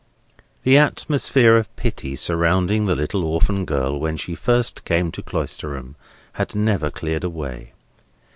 The atmosphere of pity surrounding the little orphan girl when she first came to Cloisterham, had never cleared away.